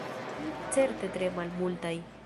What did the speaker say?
Certe tre malmultaj.